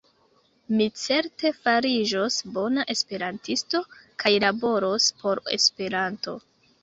Mi certe fariĝos bona esperantisto kaj laboros por Esperanto.